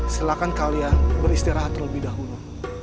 silahkan kalian beristirahat lebih dahulu